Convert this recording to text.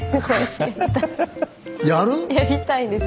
やる⁉やりたいです。